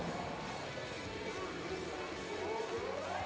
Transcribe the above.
สวัสดีทุกคน